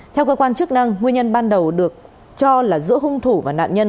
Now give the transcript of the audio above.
theo cơ quan chức năng nguyên nhân ban đầu được cho là giữa hung thủ và nạn nhân